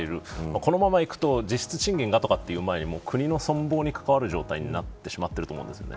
このままいくと実質賃金がという前に国の存亡に関わる状態になってしまっていると思います。